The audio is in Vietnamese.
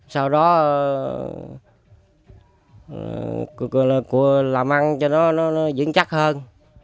sau đó làm ăn cho nó dính chắc hơn